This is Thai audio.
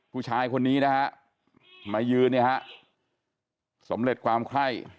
ผู้ชายคนนี้นะฮะมายืนเนี่ยฮะสำเร็จความไข้